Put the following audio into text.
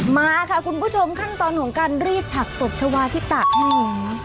มาค่ะคุณผู้ชมขั้นตอนของการรีดผักตบชาวาที่ตากแห้งแล้ว